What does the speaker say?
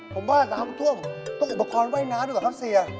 ผมว่าน้ำท่วมต้องอุปกรณ์ว่ายน้ำดีกว่าครับเสีย